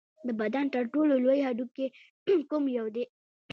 د بدن تر ټولو لوی هډوکی کوم یو دی